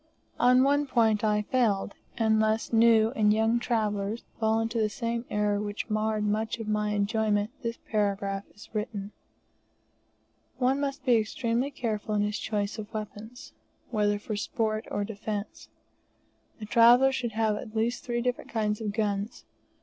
On one point I failed, and lest new and young travellers fall into the same error which marred much of my enjoyment, this paragraph is written. One must be extremely careful in his choice of weapons, whether for sport or defence. A traveller should have at least three different kinds of guns.